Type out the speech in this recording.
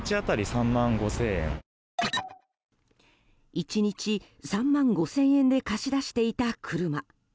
１日３万５０００円で貸し出していた車。